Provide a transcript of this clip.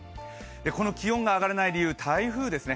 この気温が上がらない理由台風ですね。